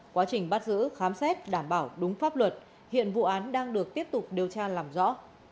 quá trình bắt giữ khám xét đảm bảo đúng pháp luật hiện vụ án đang được tiếp tục điều tra làm rõ